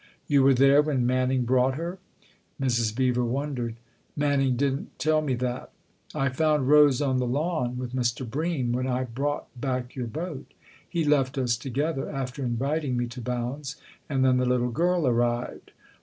" You were there when Manning brought her ?" Mrs. Beever wondered. " Manning didn't tell me that." "I found Rose on the lawn with Mr. Bream when I brought back your boat. He left us together after inviting me to Bounds and then the little girl arrived.